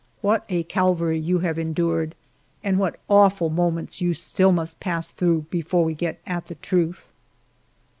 What a Calvary you have endured, and what awful mo ments you still must pass through before we get at the truth